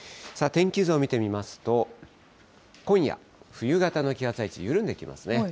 天気図を見てみますと、今夜、冬型の気圧配置、緩んできますね。